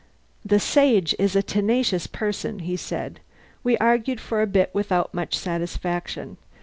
"The Sage is a tenacious person," he said. "We argued for a bit without much satisfaction.